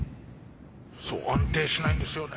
そう安定しないんですよね。